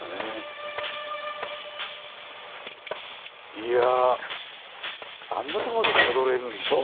いやあんなところまでたどれるんですね。